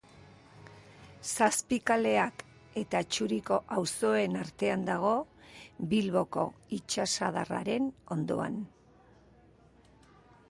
Zazpikaleak eta Atxuriko auzoen artean dago, Bilboko itsasadarraren ondoan.